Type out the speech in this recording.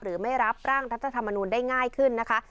ไม่รับร่างรัฐธรรมนูลได้ง่ายขึ้นนะคะ